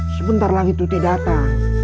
sebentar lagi tukti datang